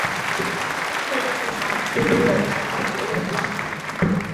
内田翔是日本男子游泳运动员。